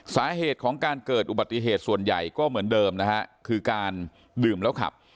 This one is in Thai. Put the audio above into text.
สาเหตุของการเกิดอุบัติเหตุส่วนใหญ่ก็เหมือนเดิมนะฮะคือการดื่มแล้วขับ